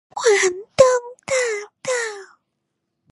環東大道